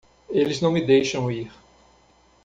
Eles não me deixam ir!